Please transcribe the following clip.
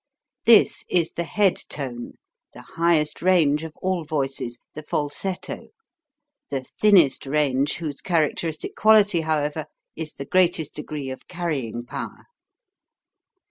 This is the head tone, the highest range of all voices, the falsetto the thinnest range, whose characteristic quality, however, is the great est degree of carrying power.